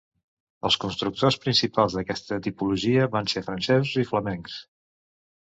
Els constructors principals d'aquesta tipologia van ser francesos i flamencs.